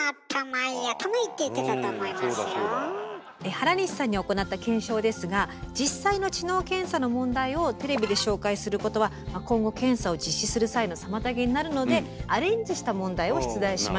原西さんに行った検証ですが実際の知能検査の問題をテレビで紹介することは今後検査を実施する際の妨げになるのでアレンジした問題を出題しました。